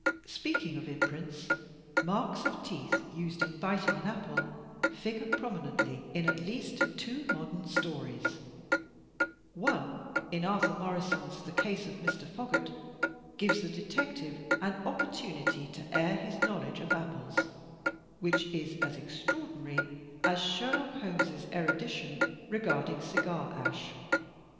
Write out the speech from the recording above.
Speaking of imprints, marks of teeth used in biting an apple, figure prominently in at least two modem stories. One, in Arthur Morrison's "The Case of Mr. Foggatt" FOOTPRINTS AND FINGERPRINTS 1 93 gives the detective an opportunity to air his knowledge of apples, which is as extraordinary as Sherlock Holmes's erudi tion regarding cigar ash.